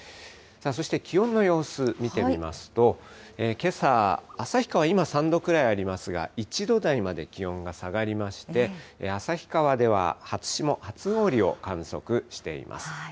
そして気温の様子、見てみますと、けさ、旭川、今、３度ぐらいありますが、１度台まで気温が下がりまして、旭川では初霜、初氷を観測しています。